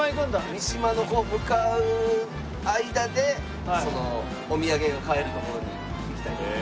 三島のこう向かう間でそのお土産が買える所に行きたいと思います。